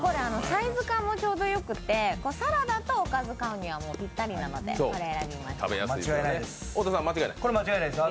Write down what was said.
サイズ感もちょうどよくてサラダとおかず買うにもぴったりなので間違いないです。